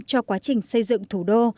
cho quá trình xây dựng thủ đô